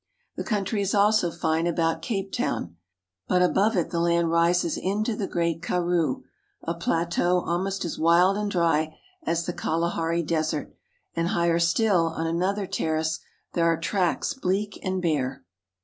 The country is also fine J about Cape Town; but above it the land rises into the ■ great Karroo, a plateau almost as wild and dry as the J Kalahari Desert, and higher still, on another terrace, there [ 1^^^ are tracts bleak and bare.